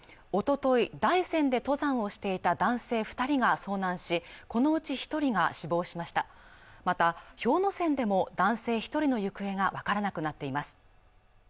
おととい大山で登山をしていた男性二人が遭難しこのうち一人が死亡しましたまた氷ノ山でも男性一人の行方が分からなくなっています